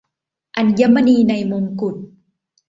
อัญมณีในมงกุฎ